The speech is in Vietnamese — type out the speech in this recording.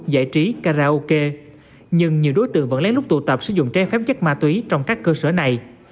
giải trí karaoke nhưng nhiều đối tượng vẫn lén lút tụ tập sử dụng trái phép chất ma túy trong các cơ sở này